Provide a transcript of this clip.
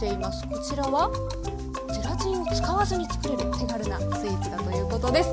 こちらはゼラチンを使わずに作れる手軽なスイーツだということです。